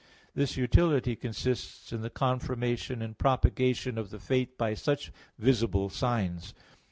This utility consists in the confirmation and propagation of the faith by such visible signs.